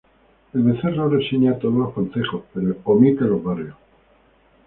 El Becerro reseña todos los concejos pero omite los barrios.